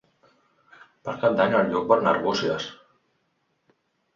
Per Cap d'Any en Lluc vol anar a Arbúcies.